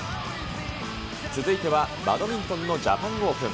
続いてはバドミントンのジャパンオープン。